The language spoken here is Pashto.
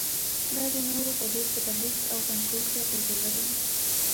دا د نورو غدو په تحریک او کنترول کې هم اغیزه لري.